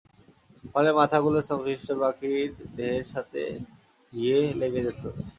ফলে মাথাগুলো সংশ্লিষ্ট পাখির দেহের সাথে গিয়ে লেগে যেত।